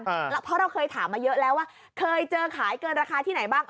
เพราะเราเคยถามมาเยอะแล้วว่าเคยเจอขายเกินราคาที่ไหนบ้าง